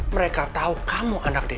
gue jadi dihujat daddy